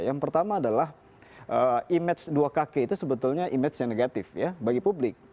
yang pertama adalah image dua kaki itu sebetulnya image nya negatif ya bagi publik